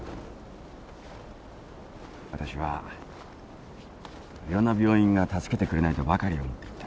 私はいろんな病院が助けてくれないとばかり思っていた。